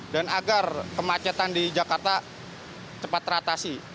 dan agar kemacetan di jakarta cepat teratasi